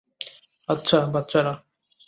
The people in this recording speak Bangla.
আচ্ছা, বাচ্চারা।